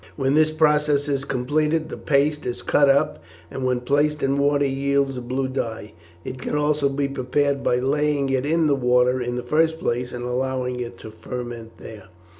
When this process is completed the paste is cut up, and when placed in water yields a blue dye. It can also be prepared by laying it in the water in the first place and allowing it to ferment there.